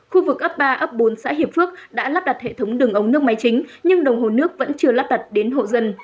khu vực ấp ba ấp bốn xã hiệp phước đã lắp đặt hệ thống đường ống nước máy chính nhưng đồng hồ nước vẫn chưa lắp đặt đến hộ dân